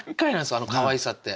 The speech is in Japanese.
あのかわいさって。